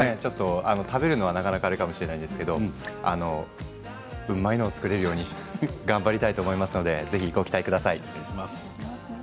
食べるのはあれかもしれませんけれどうまいのを作れるように頑張りたいと思いますのでご期待ください。